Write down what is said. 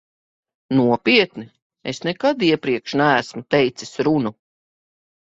Nopietni, es nekad iepriekš neesmu teicis runu.